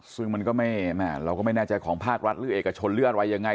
ซึ่งเราก็ไม่แน่ใจของภาครัฐรื่อเอกชนเลือดไว้ยังไง